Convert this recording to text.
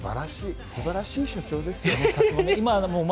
素晴らしい社長ですよ。